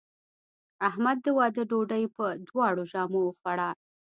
احمد د واده ډوډۍ په دواړو ژامو وخوړه.